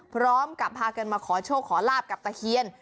พร้อมกับพากันมาขอโชคขอลาบกับตะเคียน